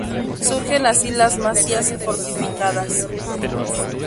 Surgen así las masías fortificadas.